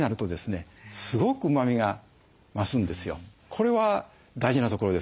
これは大事なところです。